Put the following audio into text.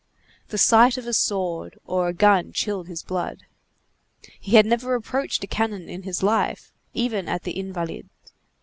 The sight of a sword or a gun chilled his blood. He had never approached a cannon in his life, even at the Invalides.